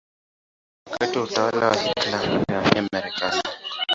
Wakati wa utawala wa Hitler alihamia Marekani.